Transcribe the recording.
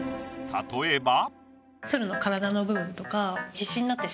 例えば。